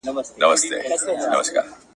کورنۍ به پایله وویني.